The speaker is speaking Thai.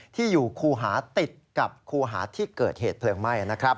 ที่อยู่คูหาติดกับครูหาที่เกิดเหตุเพลิงไหม้นะครับ